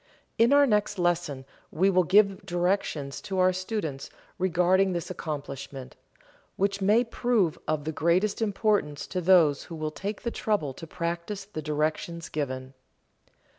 In our next lesson we will give directions to our students regarding this accomplishment, which may prove of the greatest importance to those who will take the trouble to practice the directions given.